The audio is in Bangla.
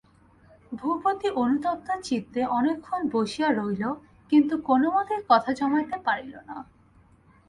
ভূপতি অনুতপ্ত চিত্তে অনেকক্ষণ বসিয়া রহিল, কিন্তু কোনোমতেই কথা জমাইতে পারিল না।